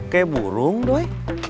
kayak burung doi